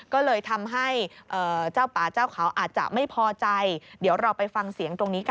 ก็เลยทำให้เจ้าป่าเจ้าเขาอาจจะไม่พอใจ